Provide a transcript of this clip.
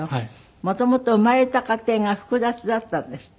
元々生まれた家庭が複雑だったんですって？